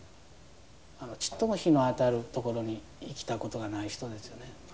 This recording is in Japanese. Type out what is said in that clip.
ちっとも日の当たる所に生きたことがない人ですよね。